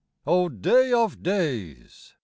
Oh, day of days !